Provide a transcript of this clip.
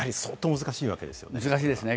難しいですね。